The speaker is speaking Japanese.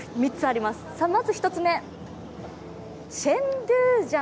まず１つ目。